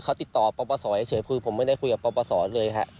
เขาติดต่อประวัติศาสตร์เฉยคือผมไม่ได้คุยกับประวัติศาสตร์เลยค่ะ